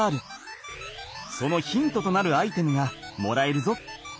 そのヒントとなるアイテムがもらえるぞ。